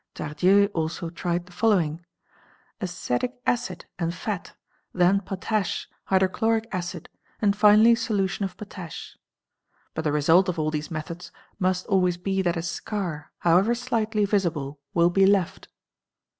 Tardieu also tried the following: acetic acid and fat, | then potash, hydrochloric acid, and finally solution of potash. But the result of all these methods must always be that a scar however slightly visible will be left.